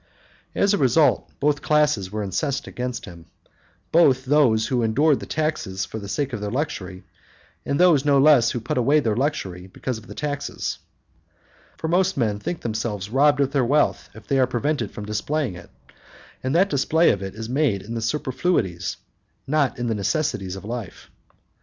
As_a result, both classes were incensed against him, both those who endured the taxes for the sake of their luxury, and those no less who put away their luxury because of the taxes. For most men think themselves robbed of their wealth if they are prevented from displaying it, and that display of it is made in the superfluities, not in the necessaries of life.